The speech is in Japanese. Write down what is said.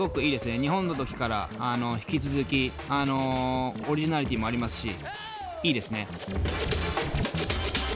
日本の時から引き続きオリジナリティーもありますしいいですね。